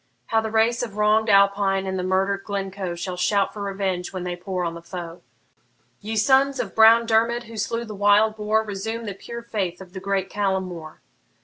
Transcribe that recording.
How the race of wrong'd Alpine and murder'd Glencoe Shall shout for revenge when they pour on the foe! Ye sons of brown Dermid, who slew the wild boar, Resume the pure faith of the great Callum More!